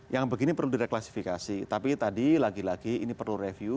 yang begini perlu direklasifikasi tapi tadi lagi lagi ini perlu review